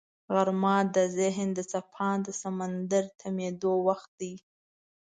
غرمه د ذهن د څپاند سمندر تمېدو وخت دی